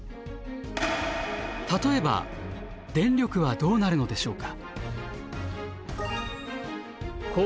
例えば電力はどうなるのでしょうか。